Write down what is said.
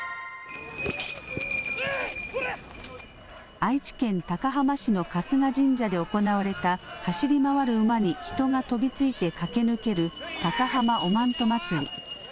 愛知県高浜市の春日神社で行われた走り回る馬に人が飛びついて駆け抜ける高浜おまんと祭り。